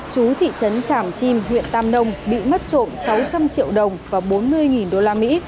chú thị trấn tràng chim huyện tam nông bị mất trộm sáu trăm linh triệu đồng và bốn mươi đô la mỹ